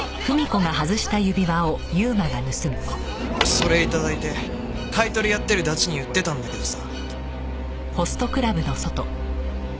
それ頂いて買い取りやってるダチに売ってたんだけどさ。